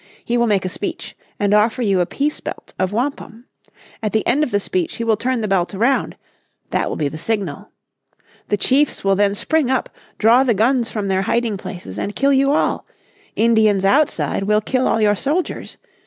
He will make a speech, and offer you a peace belt of wampum. At the end of the speech he will turn the belt round that will be the signal. The chiefs will then spring up, draw the guns from their hiding places, and kill you all. Indians outside will kill all your soldiers.